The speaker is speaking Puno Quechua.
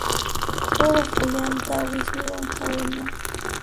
Wawaq uyanta wiswiwan hawina.